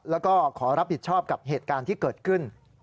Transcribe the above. แล้วก็ขอรับผิดชอบกับเหตุการณ์ที่เกิดขึ้น